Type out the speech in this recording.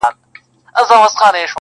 و حاکم ته سو ور وړاندي په عرضونو.!